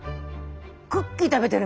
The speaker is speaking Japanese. クッキー食べてるみたい。